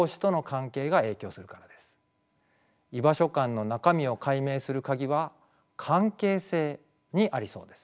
居場所感の中身を解明する鍵は関係性にありそうです。